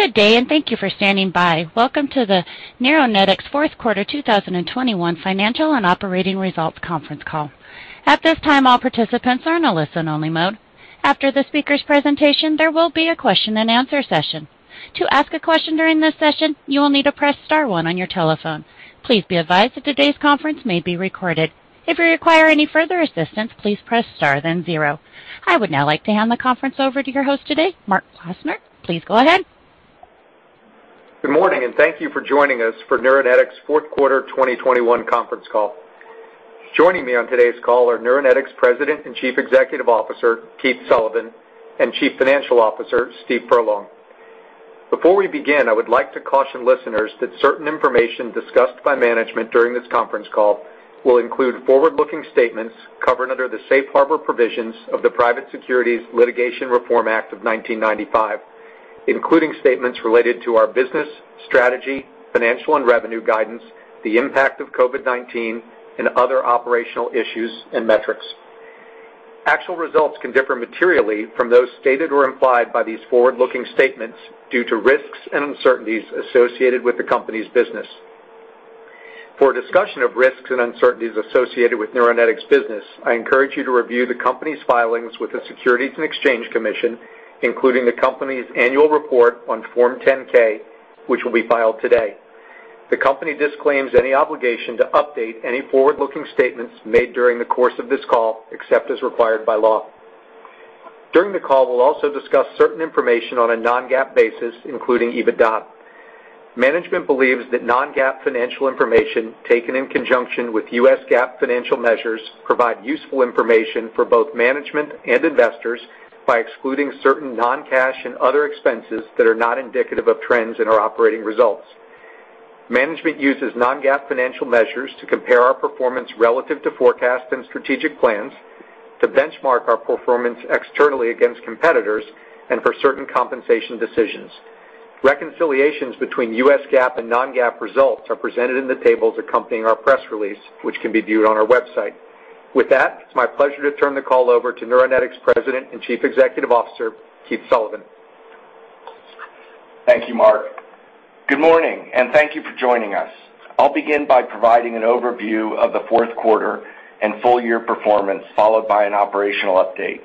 Good day, and thank you for standing by. Welcome to the Neuronetics fourth quarter 2021 financial and operating results conference call. At this time, all participants are in a listen-only mode. After the speaker's presentation, there will be a question-and-answer session. To ask a question during this session, you will need to press star one on your telephone. Please be advised that today's conference may be recorded. If you require any further assistance, please press star then zero. I would now like to hand the conference over to your host today, Mark Klausner. Please go ahead. Good morning, and thank you for joining us for Neuronetics fourth quarter 2021 conference call. Joining me on today's call are Neuronetics President and Chief Executive Officer Keith Sullivan and Chief Financial Officer Steve Furlong. Before we begin, I would like to caution listeners that certain information discussed by management during this conference call will include forward-looking statements covered under the Safe Harbor provisions of the Private Securities Litigation Reform Act of 1995, including statements related to our business, strategy, financial and revenue guidance, the impact of COVID-19, and other operational issues and metrics. Actual results can differ materially from those stated or implied by these forward-looking statements due to risks and uncertainties associated with the company's business. For a discussion of risks and uncertainties associated with Neuronetics' business, I encourage you to review the company's filings with the Securities and Exchange Commission, including the company's annual report on Form 10-K, which will be filed today. The company disclaims any obligation to update any forward-looking statements made during the course of this call, except as required by law. During the call, we'll also discuss certain information on a non-GAAP basis, including EBITDA. Management believes that non-GAAP financial information, taken in conjunction with U.S. GAAP financial measures, provide useful information for both management and investors by excluding certain non-cash and other expenses that are not indicative of trends in our operating results. Management uses non-GAAP financial measures to compare our performance relative to forecasts and strategic plans, to benchmark our performance externally against competitors, and for certain compensation decisions. Reconciliations between U.S. GAAP and non-GAAP results are presented in the tables accompanying our press release, which can be viewed on our website. With that, it's my pleasure to turn the call over to Neuronetics President and Chief Executive Officer, Keith Sullivan. Thank you, Mark. Good morning, and thank you for joining us. I'll begin by providing an overview of the fourth quarter and full year performance, followed by an operational update.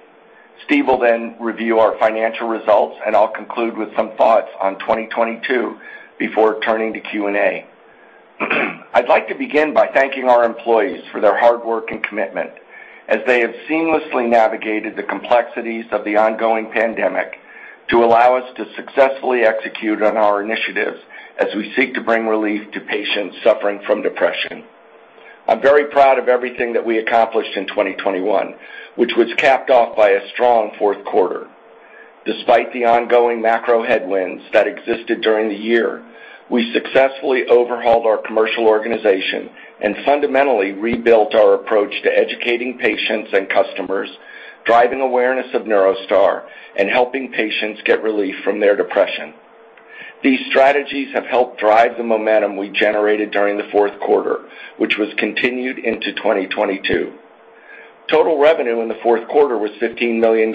Steve will then review our financial results, and I'll conclude with some thoughts on 2022 before turning to Q&A. I'd like to begin by thanking our employees for their hard work and commitment as they have seamlessly navigated the complexities of the ongoing pandemic to allow us to successfully execute on our initiatives as we seek to bring relief to patients suffering from depression. I'm very proud of everything that we accomplished in 2021, which was capped off by a strong fourth quarter. Despite the ongoing macro headwinds that existed during the year, we successfully overhauled our commercial organization and fundamentally rebuilt our approach to educating patients and customers, driving awareness of NeuroStar, and helping patients get relief from their depression. These strategies have helped drive the momentum we generated during the fourth quarter, which was continued into 2022. Total revenue in the fourth quarter was $15 million,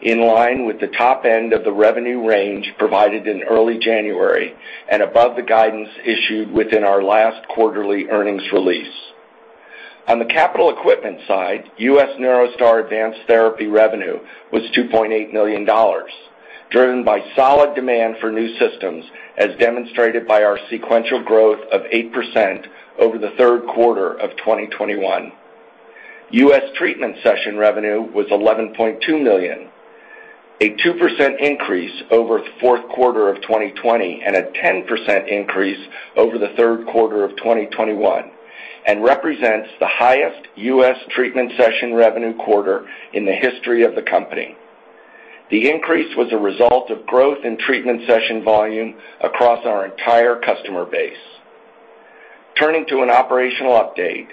in line with the top end of the revenue range provided in early January and above the guidance issued within our last quarterly earnings release. On the capital equipment side, U.S. NeuroStar Advanced Therapy revenue was $2.8 million, driven by solid demand for new systems as demonstrated by our sequential growth of 8% over the third quarter of 2021. U.S. treatment session revenue was $11.2 million, a 2% increase over fourth quarter of 2020 and a 10% increase over the third quarter of 2021, and represents the highest U.S. treatment session revenue quarter in the history of the company. The increase was a result of growth in treatment session volume across our entire customer base. Turning to an operational update.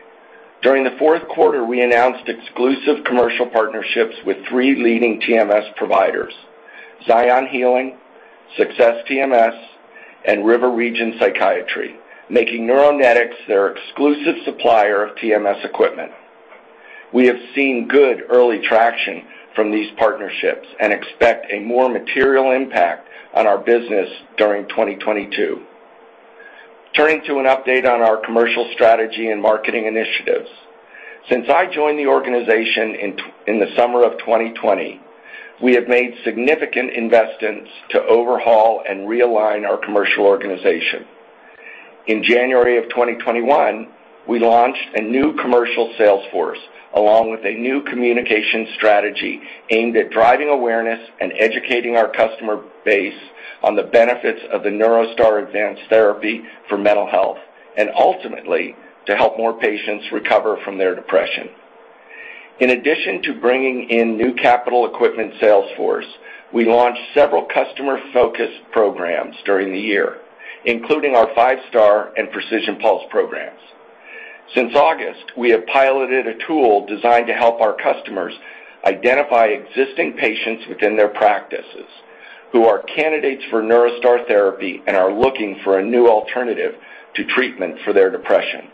During the fourth quarter, we announced exclusive commercial partnerships with three leading TMS providers, Zion Healing Center, Success TMS, and River Region Psychiatry, making Neuronetics their exclusive supplier of TMS equipment. We have seen good early traction from these partnerships and expect a more material impact on our business during 2022. Turning to an update on our commercial strategy and marketing initiatives. Since I joined the organization in the summer of 2020, we have made significant investments to overhaul and realign our commercial organization. In January 2021, we launched a new commercial sales force along with a new communication strategy aimed at driving awareness and educating our customer base on the benefits of the NeuroStar Advanced Therapy for mental health and ultimately to help more patients recover from their depression. In addition to bringing in new capital equipment sales force, we launched several customer-focused programs during the year, including our 5 Stars and Precision Pulse programs. Since August, we have piloted a tool designed to help our customers identify existing patients within their practices who are candidates for NeuroStar therapy and are looking for a new alternative to treatment for their depression.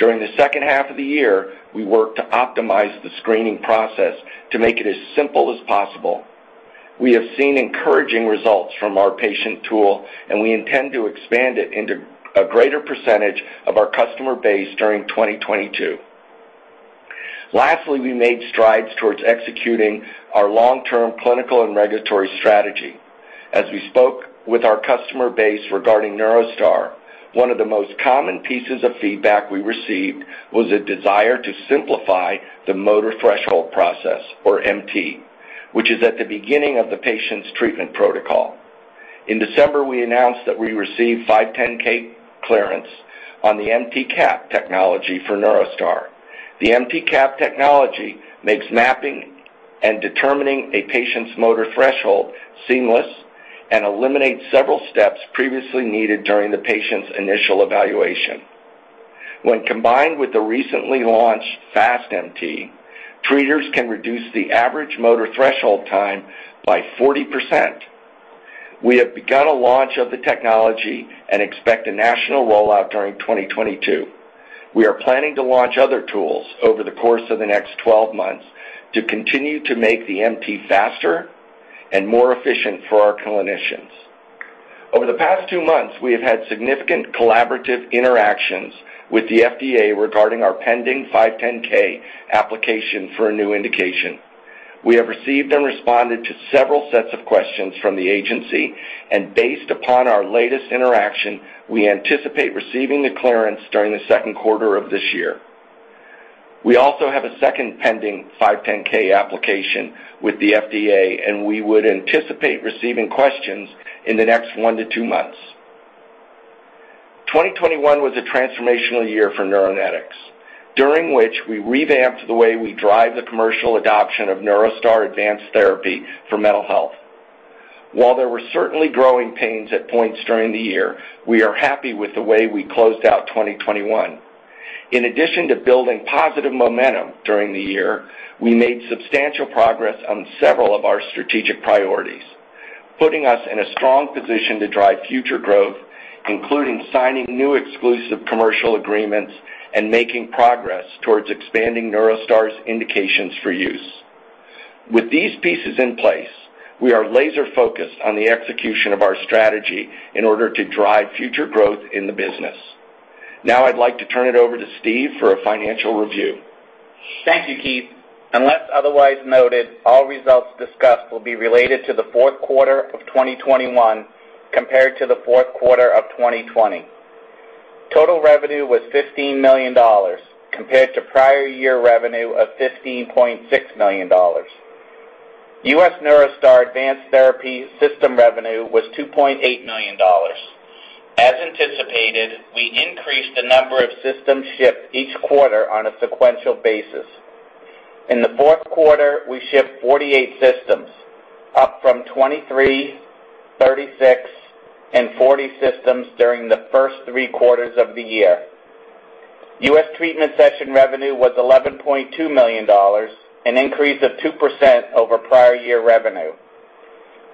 During the second half of the year, we worked to optimize the screening process to make it as simple as possible. We have seen encouraging results from our patient tool, and we intend to expand it into a greater percentage of our customer base during 2022. Lastly, we made strides towards executing our long-term clinical and regulatory strategy. As we spoke with our customer base regarding NeuroStar, one of the most common pieces of feedback we received was a desire to simplify the motor threshold process, or MT, which is at the beginning of the patient's treatment protocol. In December, we announced that we received 510(k) clearance on the MT Cap technology for NeuroStar. The MT Cap technology makes mapping and determining a patient's motor threshold seamless and eliminates several steps previously needed during the patient's initial evaluation. When combined with the recently launched FastMT, treaters can reduce the average motor threshold time by 40%. We have begun a launch of the technology and expect a national rollout during 2022. We are planning to launch other tools over the course of the next 12 months to continue to make the MT faster and more efficient for our clinicians. Over the past two months, we have had significant collaborative interactions with the FDA regarding our pending 510(k) application for a new indication. We have received and responded to several sets of questions from the agency, and based upon our latest interaction, we anticipate receiving the clearance during the second quarter of this year. We also have a second pending 510(k) application with the FDA, and we would anticipate receiving questions in the next one to two months. 2021 was a transformational year for Neuronetics, during which we revamped the way we drive the commercial adoption of NeuroStar Advanced Therapy for mental health. While there were certainly growing pains at points during the year, we are happy with the way we closed out 2021. In addition to building positive momentum during the year, we made substantial progress on several of our strategic priorities, putting us in a strong position to drive future growth, including signing new exclusive commercial agreements and making progress towards expanding NeuroStar's indications for use. With these pieces in place, we are laser-focused on the execution of our strategy in order to drive future growth in the business. Now I'd like to turn it over to Steve for a financial review. Thank you, Keith. Unless otherwise noted, all results discussed will be related to the fourth quarter of 2021 compared to the fourth quarter of 2020. Total revenue was $15 million compared to prior year revenue of $15.6 million. U.S. NeuroStar Advanced Therapy System revenue was $2.8 million. As anticipated, we increased the number of systems shipped each quarter on a sequential basis. In the fourth quarter, we shipped 48 systems, up from 23, 36, and 40 systems during the first three quarters of the year. U.S. treatment session revenue was $11.2 million, an increase of 2% over prior year revenue.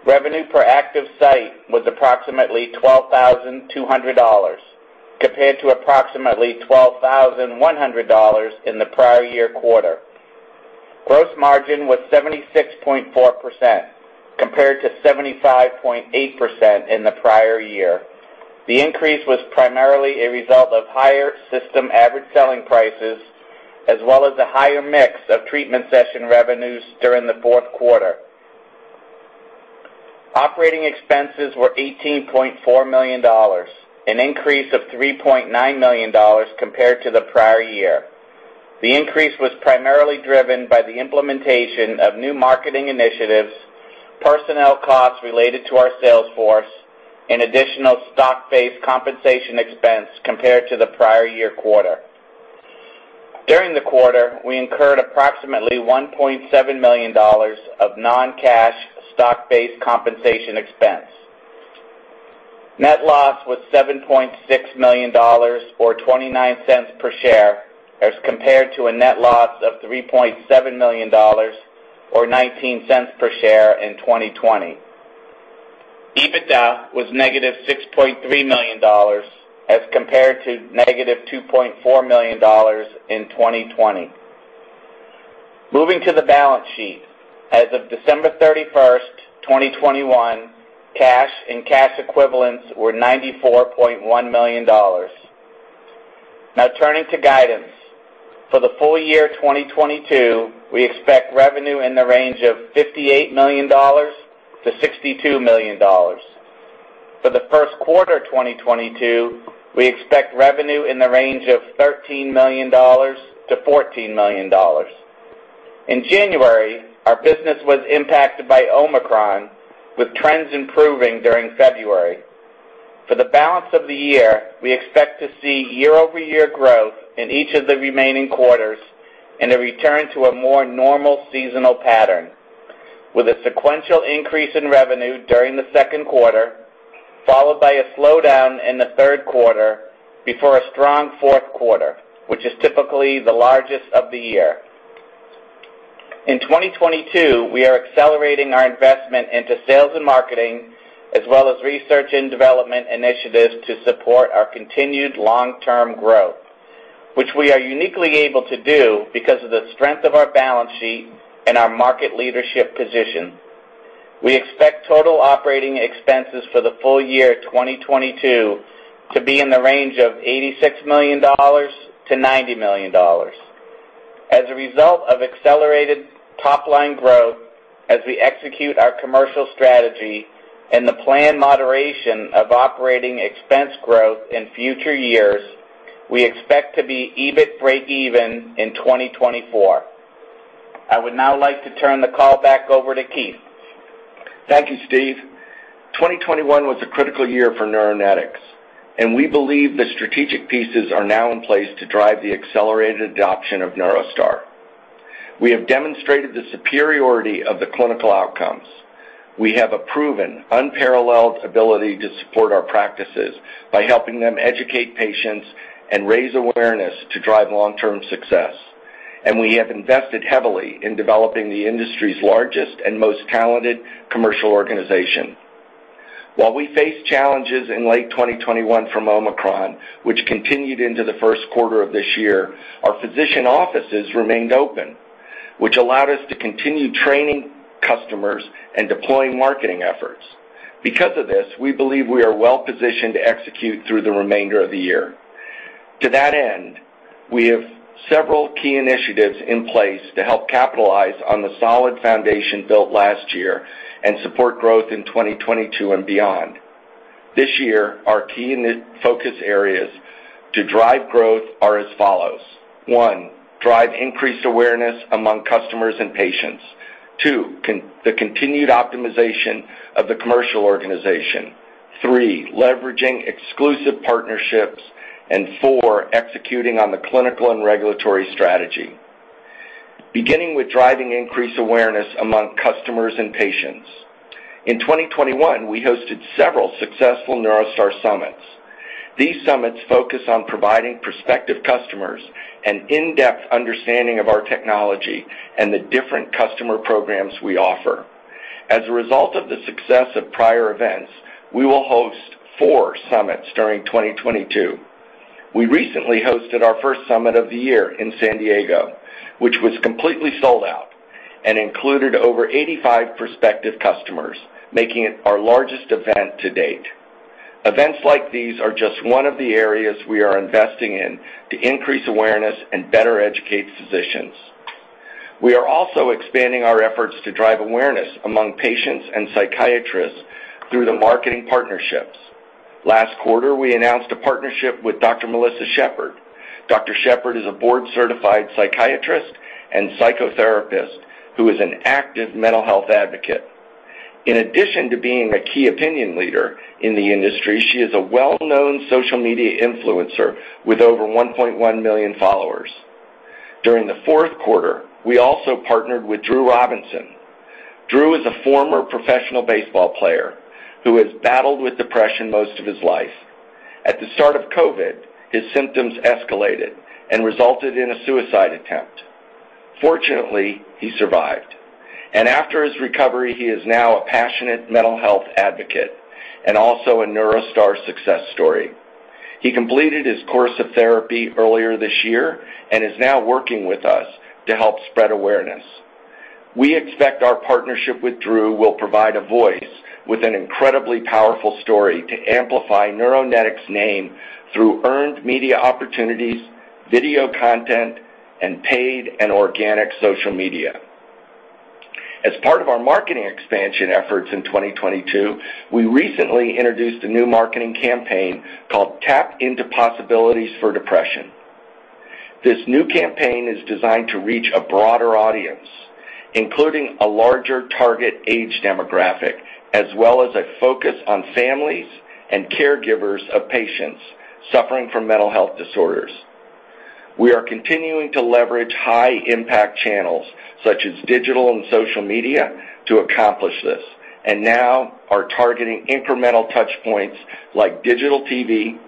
Revenue per active site was approximately $12,200 compared to approximately $12,100 in the prior year quarter. Gross margin was 76.4% compared to 75.8% in the prior year. The increase was primarily a result of higher system average selling prices as well as a higher mix of treatment session revenues during the fourth quarter. Operating expenses were $18.4 million, an increase of $3.9 million compared to the prior year. The increase was primarily driven by the implementation of new marketing initiatives, personnel costs related to our sales force, and additional stock-based compensation expense compared to the prior year quarter. During the quarter, we incurred approximately $1.7 million of non-cash stock-based compensation expense. Net loss was $7.6 million or $0.29 per share as compared to a net loss of $3.7 million or $0.19 per share in 2020. EBITDA was negative $6.3 million as compared to negative $2.4 million in 2020. Moving to the balance sheet. As of December 31st, 2021, cash and cash equivalents were $94.1 million. Now turning to guidance. For the full year 2022, we expect revenue in the range of $58 million-$62 million. For the first quarter 2022, we expect revenue in the range of $13 million-$14 million. In January, our business was impacted by Omicron, with trends improving during February. For the balance of the year, we expect to see year-over-year growth in each of the remaining quarters and a return to a more normal seasonal pattern, with a sequential increase in revenue during the second quarter, followed by a slowdown in the third quarter before a strong fourth quarter, which is typically the largest of the year. In 2022, we are accelerating our investment into sales and marketing, as well as research and development initiatives to support our continued long-term growth, which we are uniquely able to do because of the strength of our balance sheet and our market leadership position. We expect total operating expenses for the full year 2022 to be in the range of $86 million-$90 million. As a result of accelerated top-line growth as we execute our commercial strategy and the planned moderation of operating expense growth in future years, we expect to be EBIT breakeven in 2024. I would now like to turn the call back over to Keith. Thank you, Steve. 2021 was a critical year for Neuronetics, and we believe the strategic pieces are now in place to drive the accelerated adoption of NeuroStar. We have demonstrated the superiority of the clinical outcomes. We have a proven unparalleled ability to support our practices by helping them educate patients and raise awareness to drive long-term success. We have invested heavily in developing the industry's largest and most talented commercial organization. While we face challenges in late 2021 from Omicron, which continued into the first quarter of this year, our physician offices remained open, which allowed us to continue training customers and deploying marketing efforts. Because of this, we believe we are well-positioned to execute through the remainder of the year. To that end, we have several key initiatives in place to help capitalize on the solid foundation built last year and support growth in 2022 and beyond. This year, our key focus areas to drive growth are as follows. One, drive increased awareness among customers and patients. Two, the continued optimization of the commercial organization. Three, leveraging exclusive partnerships. Four, executing on the clinical and regulatory strategy. Beginning with driving increased awareness among customers and patients. In 2021, we hosted several successful NeuroStar summits. These summits focus on providing prospective customers an in-depth understanding of our technology and the different customer programs we offer. As a result of the success of prior events, we will host four summits during 2022. We recently hosted our first summit of the year in San Diego, which was completely sold out and included over 85 prospective customers, making it our largest event to date. Events like these are just one of the areas we are investing in to increase awareness and better educate physicians. We are also expanding our efforts to drive awareness among patients and psychiatrists through the marketing partnerships. Last quarter, we announced a partnership with Dr. Melissa Shepard. Dr. Shepard is a board-certified psychiatrist and psychotherapist who is an active mental health advocate. In addition to being a key opinion leader in the industry, she is a well-known social media influencer with over 1.1 million followers. During the fourth quarter, we also partnered with Drew Robinson. Drew is a former professional baseball player who has battled with depression most of his life. At the start of COVID, his symptoms escalated and resulted in a suicide attempt. Fortunately, he survived, and after his recovery, he is now a passionate mental health advocate and also a NeuroStar success story. He completed his course of therapy earlier this year and is now working with us to help spread awareness. We expect our partnership with Drew will provide a voice with an incredibly powerful story to amplify Neuronetics' name through earned media opportunities, video content, and paid and organic social media. As part of our marketing expansion efforts in 2022, we recently introduced a new marketing campaign called Tap into Possibilities for Depression. This new campaign is designed to reach a broader audience, including a larger target age demographic, as well as a focus on families and caregivers of patients suffering from mental health disorders. We are continuing to leverage high-impact channels, such as digital and social media, to accomplish this and now are targeting incremental touch points like digital TV,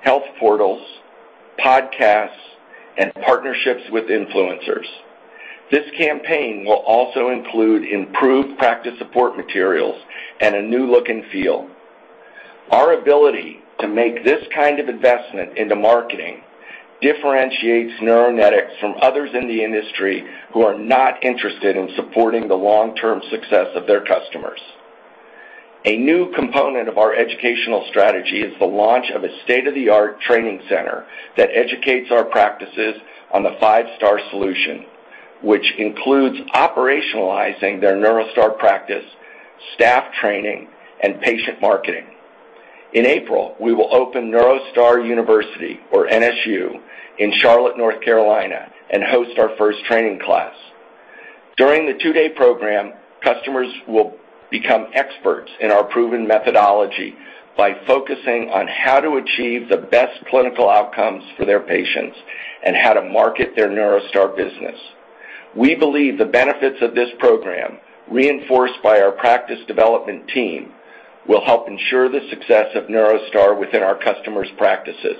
health portals, podcasts, and partnerships with influencers. This campaign will also include improved practice support materials and a new look and feel. Our ability to make this kind of investment into marketing differentiates Neuronetics from others in the industry who are not interested in supporting the long-term success of their customers. A new component of our educational strategy is the launch of a state-of-the-art training center that educates our practices on the five-star solution, which includes operationalizing their NeuroStar practice, staff training, and patient marketing. In April, we will open NeuroStar University, or NSU, in Charlotte, North Carolina, and host our first training class. During the two-day program, customers will become experts in our proven methodology by focusing on how to achieve the best clinical outcomes for their patients and how to market their NeuroStar business. We believe the benefits of this program, reinforced by our practice development team, will help ensure the success of NeuroStar within our customers' practices.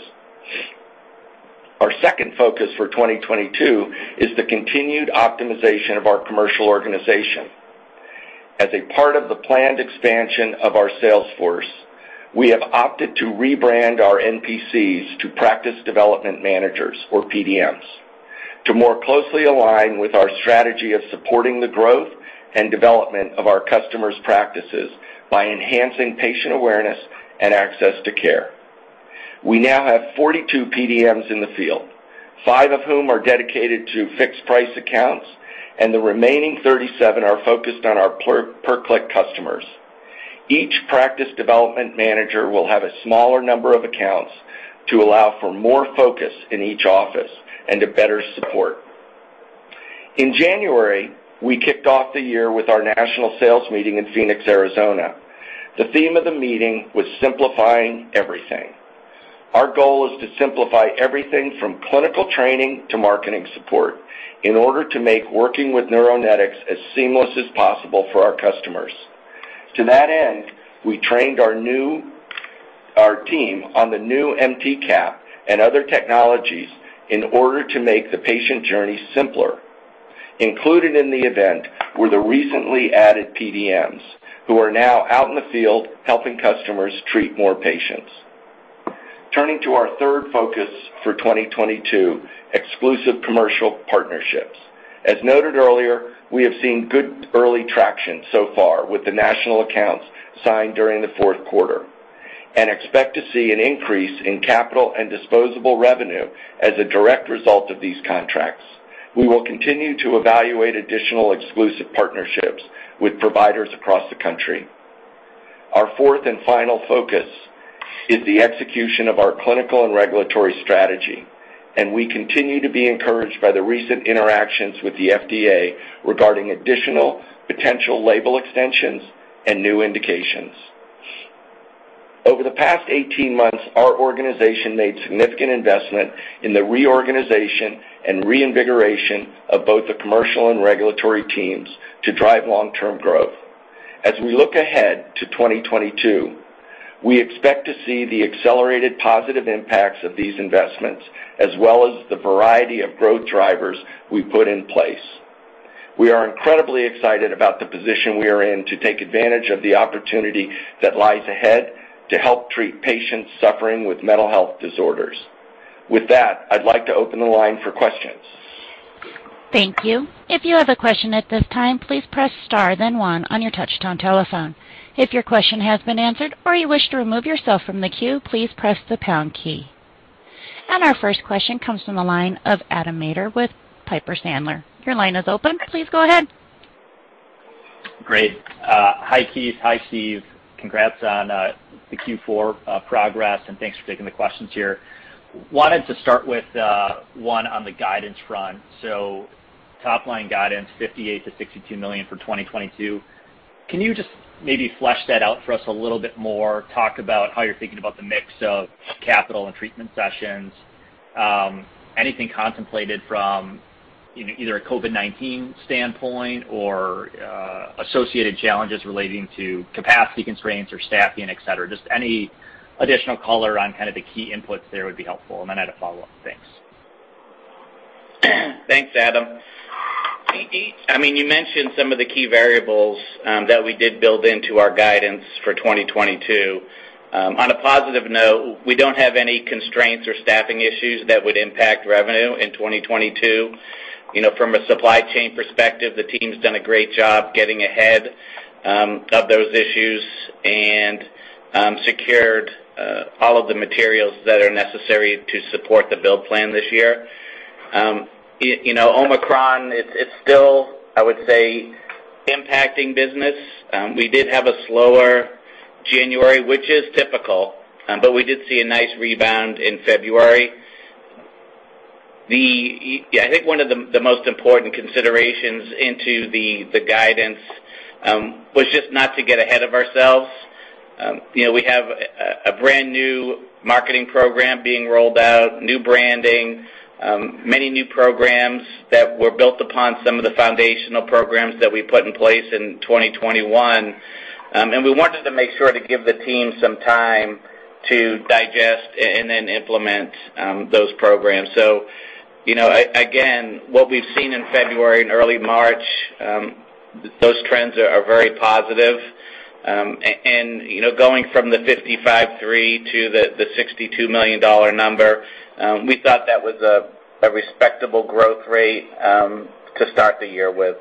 Our second focus for 2022 is the continued optimization of our commercial organization. As a part of the planned expansion of our sales force, we have opted to rebrand our NPCs to practice development managers or PDMs to more closely align with our strategy of supporting the growth and development of our customers' practices by enhancing patient awareness and access to care. We now have 42 PDMs in the field, five of whom are dedicated to fixed price accounts, and the remaining 37 are focused on our per-click customers. Each practice development manager will have a smaller number of accounts to allow for more focus in each office and a better support. In January, we kicked off the year with our national sales meeting in Phoenix, Arizona. The theme of the meeting was simplifying everything. Our goal is to simplify everything from clinical training to marketing support in order to make working with Neuronetics as seamless as possible for our customers. To that end, we trained our team on the new MT Cap and other technologies in order to make the patient journey simpler. Included in the event were the recently added PDMs who are now out in the field helping customers treat more patients. Turning to our third focus for 2022, exclusive commercial partnerships. As noted earlier, we have seen good early traction so far with the national accounts signed during the fourth quarter and expect to see an increase in capital and disposable revenue as a direct result of these contracts. We will continue to evaluate additional exclusive partnerships with providers across the country. Our fourth and final focus is the execution of our clinical and regulatory strategy, and we continue to be encouraged by the recent interactions with the FDA regarding additional potential label extensions and new indications. Over the past 18 months, our organization made significant investment in the reorganization and reinvigoration of both the commercial and regulatory teams to drive long-term growth. As we look ahead to 2022, we expect to see the accelerated positive impacts of these investments as well as the variety of growth drivers we put in place. We are incredibly excited about the position we are in to take advantage of the opportunity that lies ahead to help treat patients suffering with mental health disorders. With that, I'd like to open the line for questions. Thank you. If you have a question at this time, please press star, then one on your touchtone telephone. If your question has been answered or you wish to remove yourself from the queue, please press the pound key. Our first question comes from the line of Adam Maeder with Piper Sandler. Your line is open. Please go ahead. Great. Hi, Keith. Hi, Steve. Congrats on the Q4 progress, and thanks for taking the questions here. Wanted to start with one on the guidance front. Top-line guidance, $58 million-$62 million for 2022. Can you just maybe flesh that out for us a little bit more? Talk about how you're thinking about the mix of capital and treatment sessions, anything contemplated from either a COVID-19 standpoint or associated challenges relating to capacity constraints or staffing, et cetera. Just any additional color on kind of the key inputs there would be helpful. I had a follow-up. Thanks. Thanks, Adam. I mean, you mentioned some of the key variables that we did build into our guidance for 2022. On a positive note, we don't have any constraints or staffing issues that would impact revenue in 2022. You know, from a supply chain perspective, the team's done a great job getting ahead of those issues and secured all of the materials that are necessary to support the build plan this year. You know, Omicron, it's still, I would say, impacting business. We did have a slower January, which is typical, but we did see a nice rebound in February. I think one of the most important considerations into the guidance was just not to get ahead of ourselves. You know, we have a brand-new marketing program being rolled out, new branding, many new programs that were built upon some of the foundational programs that we put in place in 2021. We wanted to make sure to give the team some time to digest and then implement those programs. You know, what we've seen in February and early March, those trends are very positive. You know, going from the $55.3 million to the $62 million number, we thought that was a respectable growth rate to start the year with.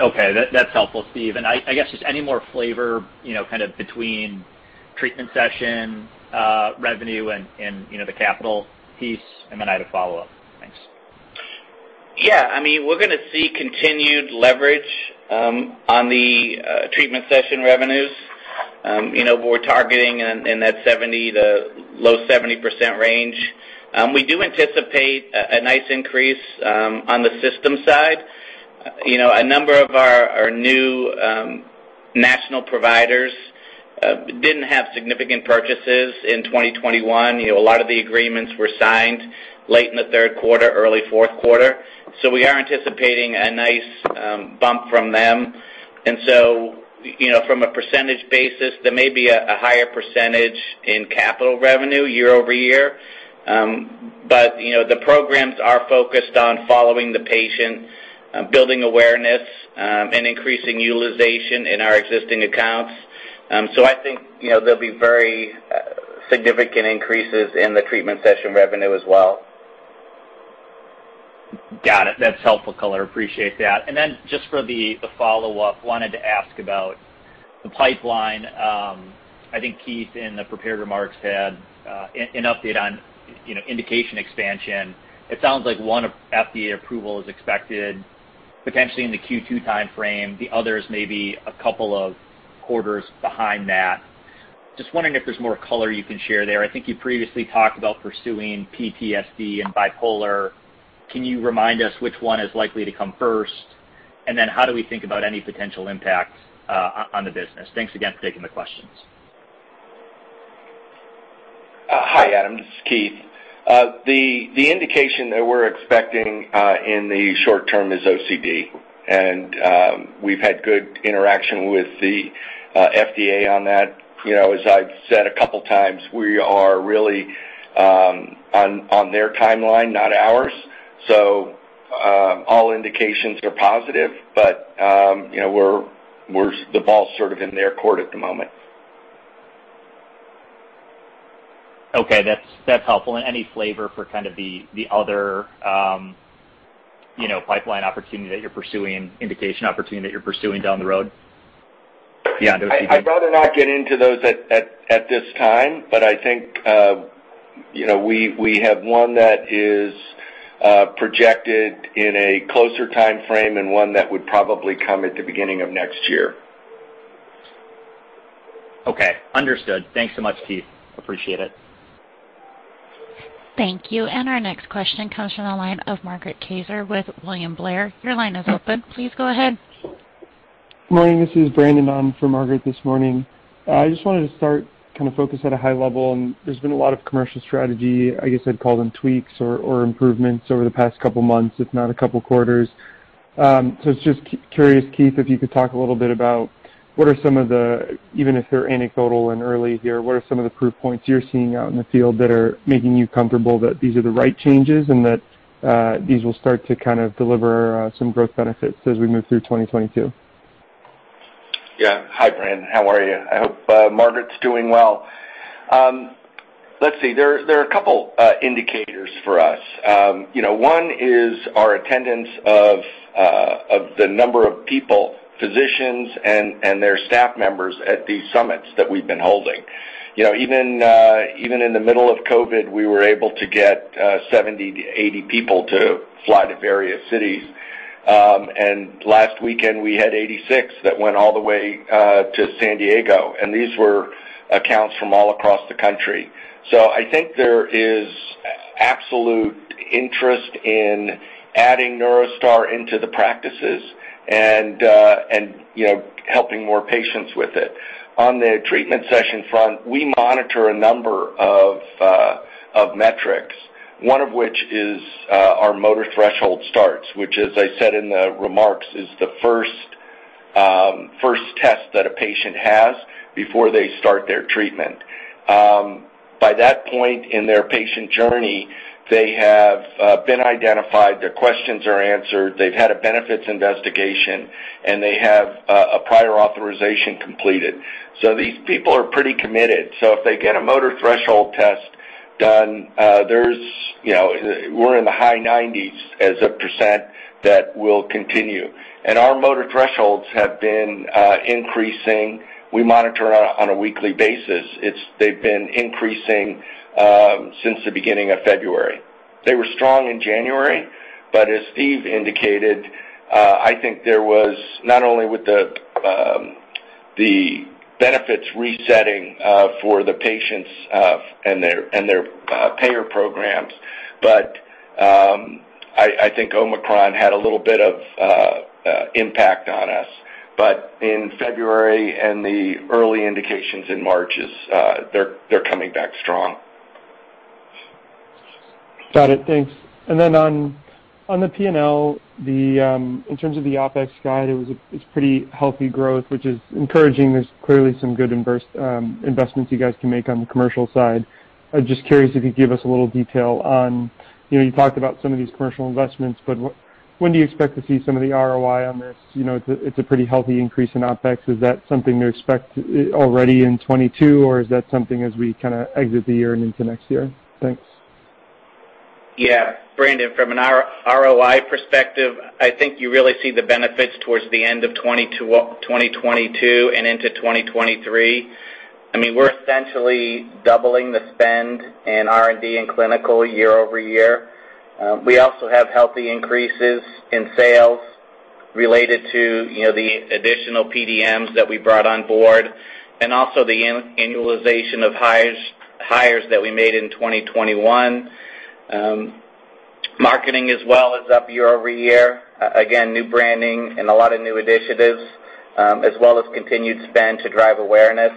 Okay. That's helpful, Steve. I guess just any more flavor, you know, kind of between treatment session revenue and, you know, the capital piece, and then I had a follow-up. Thanks. Yeah. I mean, we're gonna see continued leverage on the treatment session revenues. You know, we're targeting in that 70%-low 70% range. We do anticipate a nice increase on the system side. You know, a number of our new national providers Didn't have significant purchases in 2021. You know, a lot of the agreements were signed late in the third quarter, early fourth quarter. We are anticipating a nice bump from them. You know, from a percentage basis, there may be a higher percentage in capital revenue year-over-year. You know, the programs are focused on following the patient, building awareness, and increasing utilization in our existing accounts. I think, you know, there'll be very significant increases in the treatment session revenue as well. Got it. That's helpful color. Appreciate that. Then just for the follow-up, wanted to ask about the pipeline. I think Keith, in the prepared remarks, had an update on, you know, indication expansion. It sounds like one of FDA approval is expected potentially in the Q2 timeframe, the others may be a couple of quarters behind that. Just wondering if there's more color you can share there. I think you previously talked about pursuing PTSD and bipolar. Can you remind us which one is likely to come first? Then how do we think about any potential impact on the business? Thanks again for taking the questions. Hi, Adam. This is Keith. The indication that we're expecting in the short term is OCD, and we've had good interaction with the FDA on that. You know, as I've said a couple times, we are really on their timeline, not ours. All indications are positive, but you know, the ball's sort of in their court at the moment. Okay. That's helpful. Any flavor for kind of the other, you know, pipeline opportunity that you're pursuing, indication opportunity that you're pursuing down the road beyond OCD? I'd rather not get into those at this time. I think, you know, we have one that is projected in a closer timeframe and one that would probably come at the beginning of next year. Okay. Understood. Thanks so much, Keith. Appreciate it. Thank you. Our next question comes from the line of Margaret Kaczor with William Blair. Your line is open. Please go ahead. Morning, this is Brandon on for Margaret this morning. I just wanted to start kind of focus at a high level. There's been a lot of commercial strategy, I guess I'd call them tweaks or improvements over the past couple months, if not a couple quarters. It's just curious, Keith, if you could talk a little bit about what are some of the proof points you're seeing out in the field that are making you comfortable that these are the right changes and that these will start to kind of deliver some growth benefits as we move through 2022. Yeah. Hi, Brandon. How are you? I hope Margaret's doing well. Let's see. There are a couple indicators for us. You know, one is our attendance of the number of people, physicians and their staff members at these summits that we've been holding. You know, even in the middle of COVID, we were able to get 70-80 people to fly to various cities. Last weekend, we had 86 that went all the way to San Diego, and these were accounts from all across the country. I think there is absolute interest in adding NeuroStar into the practices and, you know, helping more patients with it. On the treatment session front, we monitor a number of metrics, one of which is our motor threshold starts, which, as I said in the remarks, is the first test that a patient has before they start their treatment. By that point in their patient journey, they have been identified, their questions are answered, they've had a benefits investigation, and they have a prior authorization completed. These people are pretty committed. If they get a motor threshold test done, there's, you know, we're in the high 90s% that will continue. Our motor thresholds have been increasing. We monitor on a weekly basis. They've been increasing since the beginning of February. They were strong in January, but as Steve indicated, I think there was not only the benefits resetting for the patients and their payer programs, but I think Omicron had a little bit of impact on us. In February and the early indications in March, they're coming back strong. Got it. Thanks. On the P&L, in terms of the OpEx guide, it's pretty healthy growth, which is encouraging. There's clearly some good investments you guys can make on the commercial side. I'm just curious if you could give us a little detail on, you know, you talked about some of these commercial investments, but when do you expect to see some of the ROI on this? You know, it's a pretty healthy increase in OpEx. Is that something to expect already in 2022, or is that something as we kinda exit the year and into next year? Thanks. Yeah. Brandon, from an ROI perspective, I think you really see the benefits towards the end of 2022 and into 2023. I mean, we're essentially doubling the spend in R&D and clinical year-over-year. We also have healthy increases in sales related to, you know, the additional PDMs that we brought on board and also the annualization of hires that we made in 2021. Marketing as well is up year-over-year. Again, new branding and a lot of new initiatives, as well as continued spend to drive awareness.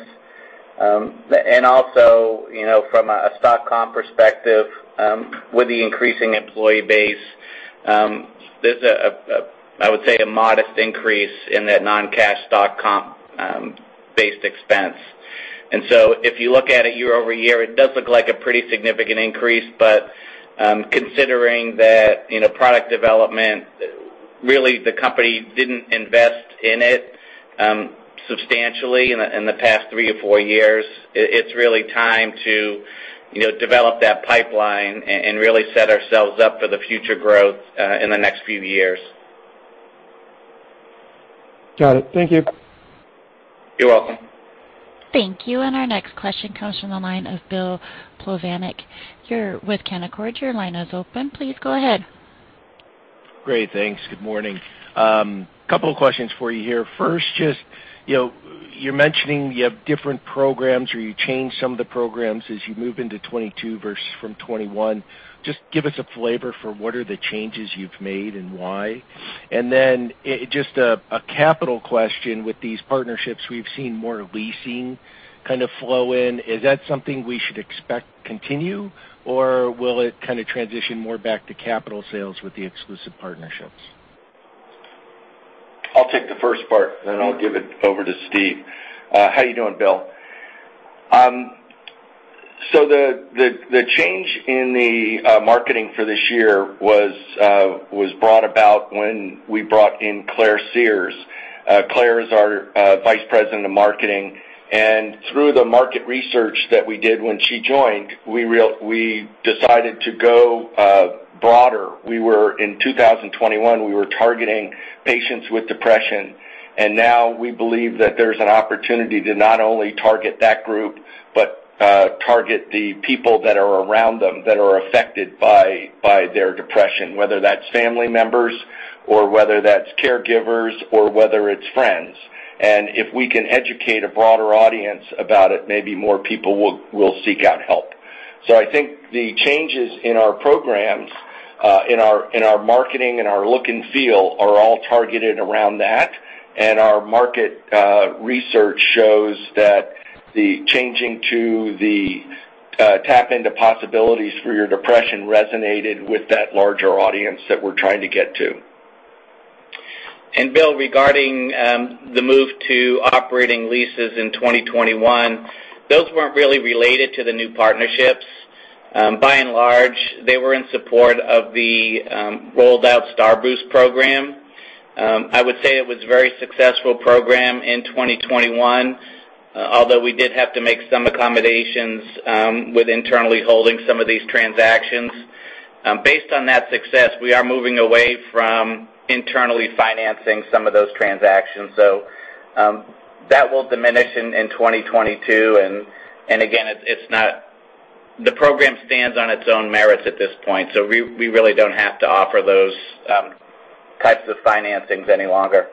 You know, from a stock comp perspective, with the increasing employee base, there's a modest increase in that non-cash stock comp based expense. If you look at it year-over-year, it does look like a pretty significant increase, but considering that, you know, product development, really the company didn't invest in it substantially in the past three or four years. It's really time to, you know, develop that pipeline and really set ourselves up for the future growth in the next few years. Got it. Thank you. You're welcome. Thank you. Our next question comes from the line of Bill Plovanic. You're with Canaccord. Your line is open. Please go ahead. Great. Thanks. Good morning. Couple of questions for you here. First, just, you know, you're mentioning you have different programs or you changed some of the programs as you move into 2022 versus from 2021. Just give us a flavor for what are the changes you've made and why. Then just a capital question, with these partnerships we've seen more leasing kind of flow in, is that something we should expect continue, or will it kind of transition more back to capital sales with the exclusive partnerships? I'll take the first part, then I'll give it over to Steve. How you doing, Bill? The change in the marketing for this year was brought about when we brought in Claire Sears. Claire is our Vice President of Marketing, and through the market research that we did when she joined, we decided to go broader. In 2021, we were targeting patients with depression, and now we believe that there's an opportunity to not only target that group, but target the people that are around them that are affected by their depression, whether that's family members or whether that's caregivers or whether it's friends. If we can educate a broader audience about it, maybe more people will seek out help. I think the changes in our programs, in our marketing and our look and feel are all targeted around that. Our market research shows that the changing to the Tap into Possibilities for Depression resonated with that larger audience that we're trying to get to. Bill, regarding the move to operating leases in 2021, those weren't really related to the new partnerships. By and large, they were in support of the rolled out Star Boost program. I would say it was a very successful program in 2021, although we did have to make some accommodations with internally holding some of these transactions. Based on that success, we are moving away from internally financing some of those transactions. That will diminish in 2022. The program stands on its own merits at this point, so we really don't have to offer those types of financings any longer.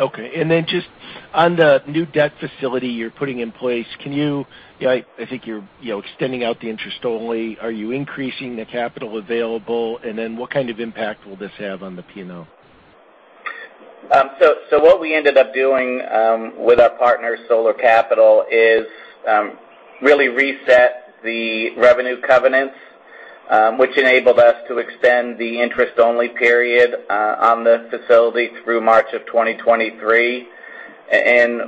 Okay. Just on the new debt facility you're putting in place, you know, I think you're extending out the interest only. Are you increasing the capital available? What kind of impact will this have on the P&L? What we ended up doing with our partner, Solar Capital, is really reset the revenue covenants, which enabled us to extend the interest-only period on the facility through March 2023.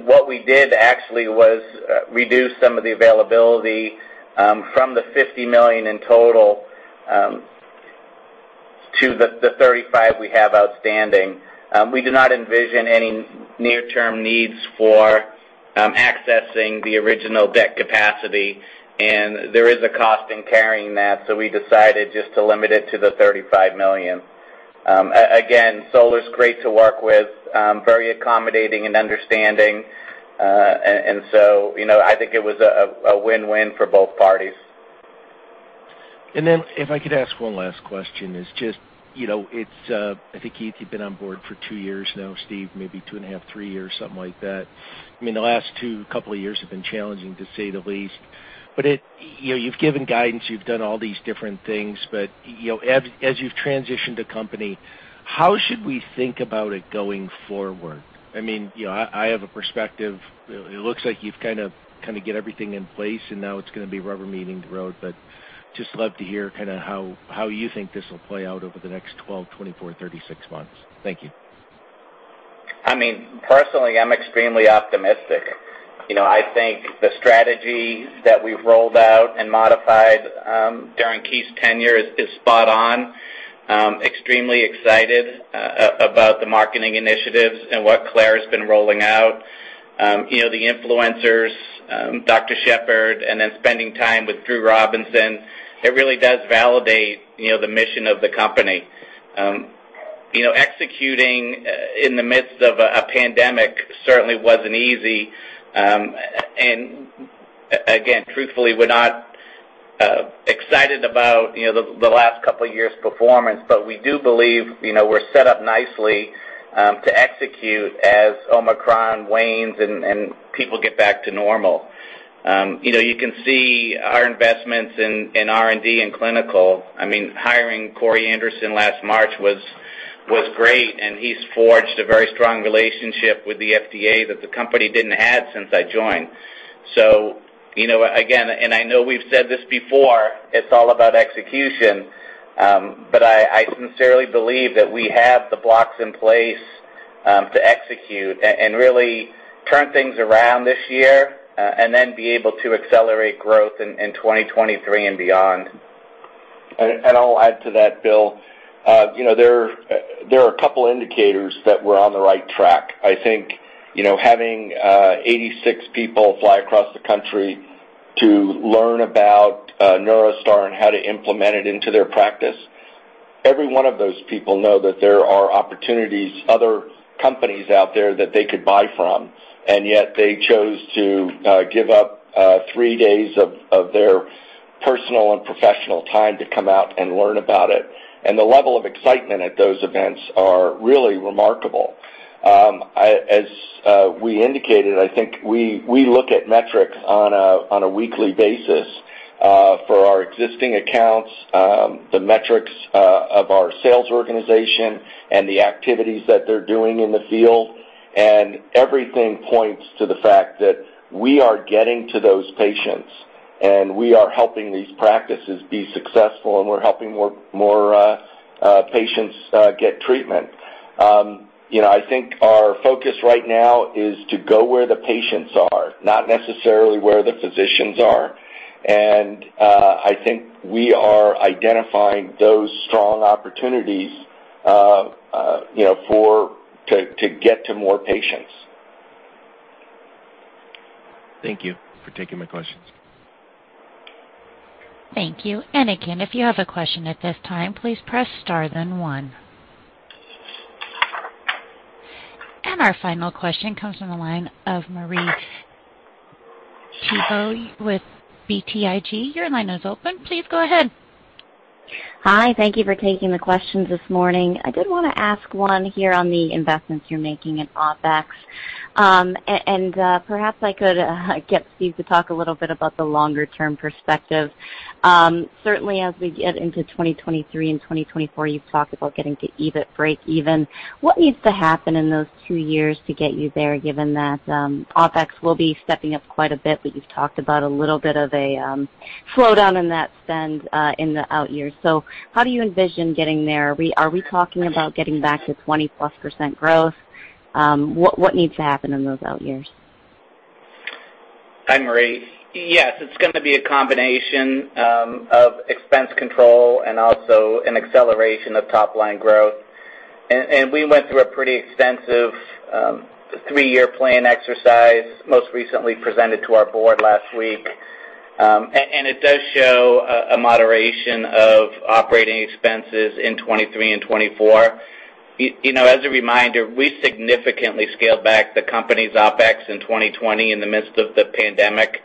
What we did actually was reduce some of the availability from the $50 million in total to the $35 million we have outstanding. We do not envision any near-term needs for accessing the original debt capacity, and there is a cost in carrying that, so we decided just to limit it to the $35 million. Again, Solar's great to work with, very accommodating and understanding. You know, I think it was a win-win for both parties. If I could ask one last question, it's, you know, I think, Keith, you've been on board for 2 years now, Steve, maybe 2.5, three years, something like that. I mean, the last couple of years have been challenging, to say the least. You know, you've given guidance, you've done all these different things. You know, as you've transitioned the company, how should we think about it going forward? I mean, you know, I have a perspective. It looks like you've kind of got everything in place, and now it's gonna be rubber hits the road. I just love to hear kinda how you think this will play out over the next 12, 24, 36 months. Thank you. I mean, personally, I'm extremely optimistic. You know, I think the strategies that we've rolled out and modified during Keith's tenure is spot on. Extremely excited about the marketing initiatives and what Claire has been rolling out. You know, the influencers, Dr. Shepard, and then spending time with Drew Robinson, it really does validate, you know, the mission of the company. You know, executing in the midst of a pandemic certainly wasn't easy. Again, truthfully, we're not excited about, you know, the last couple of years' performance, but we do believe, you know, we're set up nicely to execute as Omicron wanes and people get back to normal. You know, you can see our investments in R&D and cliniccal. I mean, hiring Cory Anderson last March was great, and he's forged a very strong relationship with the FDA that the company didn't have since I joined. You know, again, and I know we've said this before, it's all about execution. I sincerely believe that we have the blocks in place to execute and really turn things around this year and then be able to accelerate growth in 2023 and beyond. I'll add to that, Bill. You know, there are a couple indicators that we're on the right track. I think, you know, having 86 people fly across the country to learn about NeuroStar and how to implement it into their practice, every one of those people know that there are opportunities, other companies out there that they could buy from, and yet they chose to give up three days of their personal and professional time to come out and learn about it. The level of excitement at those events are really remarkable. As we indicated, I think we look at metrics on a weekly basis for our existing accounts, the metrics of our sales organization and the activities that they're doing in the field. Everything points to the fact that we are getting to those patients, and we are helping these practices be successful, and we're helping more patients get treatment. You know, I think our focus right now is to go where the patients are, not necessarily where the physicians are. I think we are identifying those strong opportunities, you know, to get to more patients. Thank you for taking my questions. Thank you. Again, if you have a question at this time, please press star then one. Our final question comes from the line of Marie Thibault with BTIG. Your line is open. Please go ahead. Hi. Thank you for taking the questions this morning. I did wanna ask one here on the investments you're making in OpEx. And perhaps I could get Steve to talk a little bit about the longer term perspective. Certainly as we get into 2023 and 2024, you've talked about getting to EBIT breakeven. What needs to happen in those two years to get you there, given that OpEx will be stepping up quite a bit, but you've talked about a little bit of a slowdown in that spend in the out years. How do you envision getting there? Are we talking about getting back to 20%+ growth? What needs to happen in those out years? Hi, Marie. Yes, it's gonna be a combination of expense control and also an acceleration of top line growth. We went through a pretty extensive three-year plan exercise, most recently presented to our board last week. It does show a moderation of operating expenses in 2023 and 2024. You know, as a reminder, we significantly scaled back the company's OpEx in 2020 in the midst of the pandemic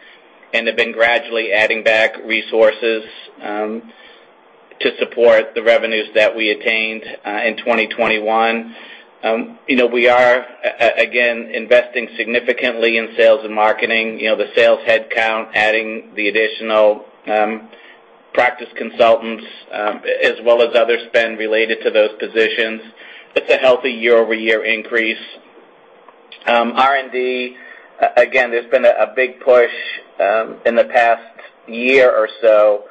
and have been gradually adding back resources to support the revenues that we attained in 2021. You know, we are again investing significantly in sales and marketing. You know, the sales headcount, adding the additional practice consultants as well as other spend related to those positions. It's a healthy year-over-year increase. R&D, again, there's been a big push in the past year or so.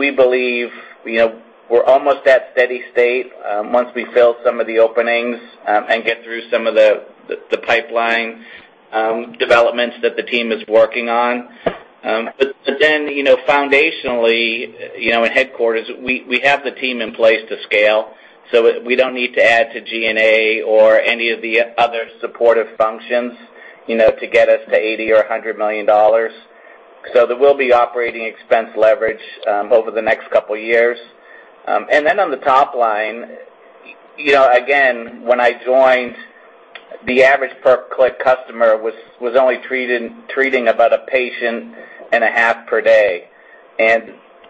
We believe, you know, we're almost at steady state once we fill some of the openings and get through some of the pipeline developments that the team is working on. Then, you know, foundationally, you know, in headquarters, we have the team in place to scale. We don't need to add to G&A or any of the other supportive functions, you know, to get us to $80 million or $100 million. There will be operating expense leverage over the next couple years. Then on the top line, you know, again, when I joined, the average per-click customer was only treating about a patient and a half per day.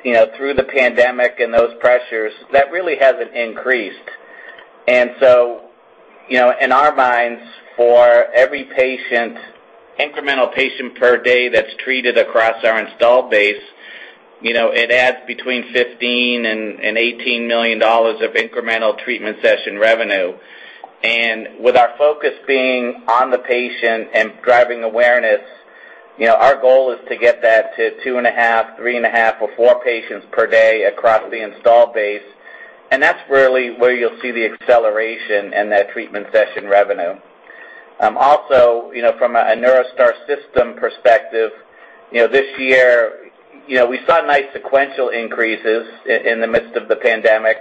You know, through the pandemic and those pressures, that really hasn't increased. You know, in our minds, for every patient, incremental patient per day that's treated across our installed base, you know, it adds between $15 million and $18 million of incremental treatment session revenue. With our focus being on the patient and driving awareness, you know, our goal is to get that to 2.5, 3.5, or four patients per day across the installed base, and that's really where you'll see the acceleration in that treatment session revenue. Also, you know, from a NeuroStar system perspective, you know, this year, you know, we saw nice sequential increases in the midst of the pandemic.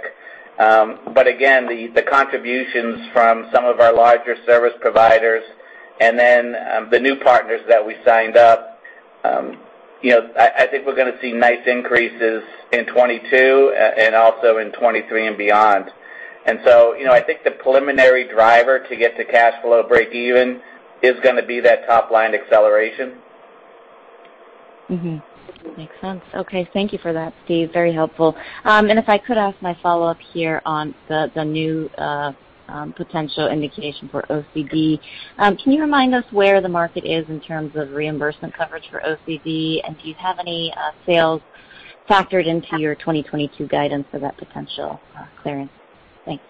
Again, the contributions from some of our larger service providers and then, the new partners that we signed up, you know, I think we're gonna see nice increases in 2022 and also in 2023 and beyond. You know, I think the preliminary driver to get to cash flow breakeven is gonna be that top line acceleration. Mm-hmm. Makes sense. Okay. Thank you for that, Steve. Very helpful. If I could ask my follow-up here on the new potential indication for OCD. Can you remind us where the market is in terms of reimbursement coverage for OCD? And do you have any sales factored into your 2022 guidance for that potential clearance? Thanks.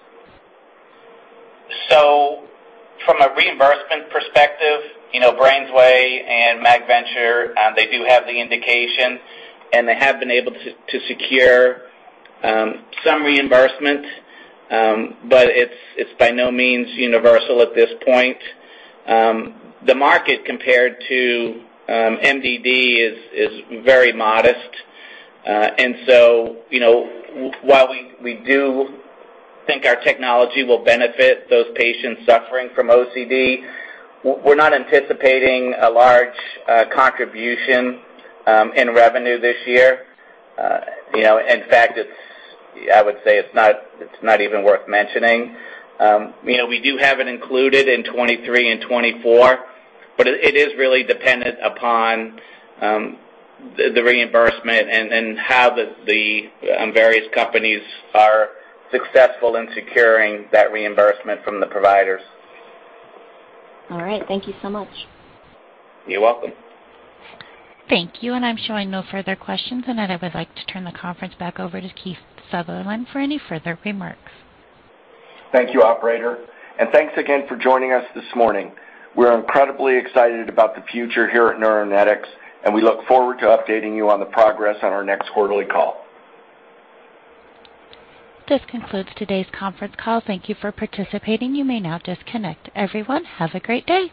From a reimbursement perspective, you know, BrainsWay and MagVenture, they do have the indication, and they have been able to secure some reimbursement, but it's by no means universal at this point. The market compared to MDD is very modest. You know, while we do think our technology will benefit those patients suffering from OCD, we're not anticipating a large contribution in revenue this year. You know, in fact, I would say it's not even worth mentioning. You know, we do have it included in 2023 and 2024, but it is really dependent upon the reimbursement and how the various companies are successful in securing that reimbursement from the providers. All right. Thank you so much. You're welcome. Thank you. I'm showing no further questions. I would like to turn the conference back over to Keith Sullivan for any further remarks. Thank you, operator. Thanks again for joining us this morning. We're incredibly excited about the future here at Neuronetics, and we look forward to updating you on the progress on our next quarterly call. This concludes today's conference call. Thank you for participating. You may now disconnect. Everyone, have a great day.